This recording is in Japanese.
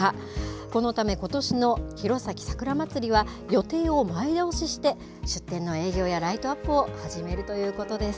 このため、ことしの弘前さくらまつりは、予定を前倒しして、出店の営業やライトアップを始めるということです。